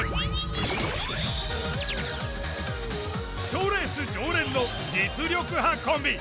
賞レース常連の実力派コンビ。